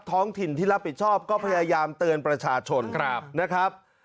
ท้องถิ่นที่รับผิดชอบก็พยายามเตือนประชาชนนะครับ